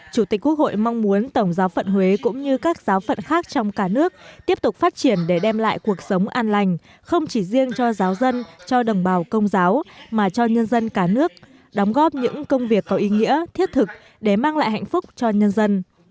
chủ tịch quốc hội mong muốn tổng giáo phận huế cũng như các giáo phận khác trong cả nước tiếp tục phát triển để đem lại cuộc sống an lành không chỉ riêng cho giáo dân cho đồng bào công giáo mà cho nhân dân cả nước đóng góp những công việc có ý nghĩa thiết thực để mang lại hạnh phúc cho nhân dân